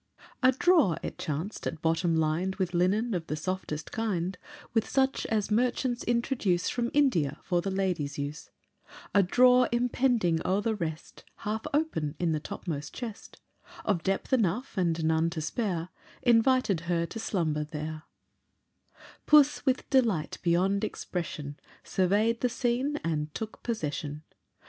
A drawer, it chanced, at bottom lined With linen of the softest kind, With such as merchants introduce From India, for the ladies' use, A drawer impending o'er the rest, Half open in the topmost chest, Of depth enough, and none to spare, Invited her to slumber there; Puss with delight beyond expression, Survey'd the scene, and took possession.